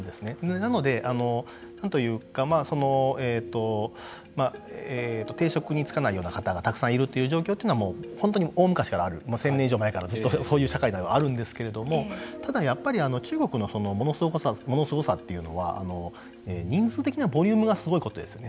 なので定職に就かないような方がたくさんいるという状況は本当に大昔からある１０００年以上前からそういう社会ではあるんですけれどもただやっぱり中国のものすごさというのは人数的なボリュームがすごいことですね